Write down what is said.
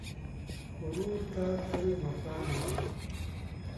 ورور ته تل وفا لرې.